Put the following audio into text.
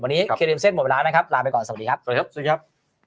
วันนี้เคระเด็นเส้นหมดภาพลาไปก่อนสวัสดีครับ